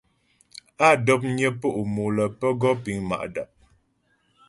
Á dɔpnyə po' mo lə́ pə́ gɔ piŋ ma' dap.